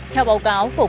theo báo cáo của